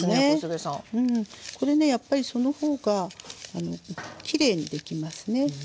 これねやっぱりその方がきれいにできますね。